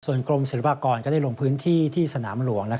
กรมศิลปากรก็ได้ลงพื้นที่ที่สนามหลวง